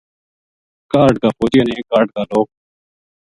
کاہڈ کا فوجیاں نے کاہڈ کا لوک